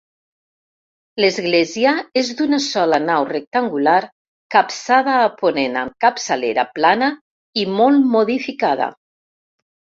L'església és d'una sola nau rectangular, capçada a ponent amb capçalera plana i molt modificada.